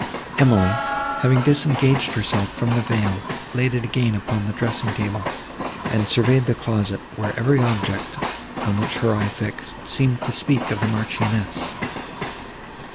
Emily, having disengaged herself from the veil, laid it again on the dressing table, and surveyed the closet, where every object, on which her eye fixed, seemed to speak of the Marchioness.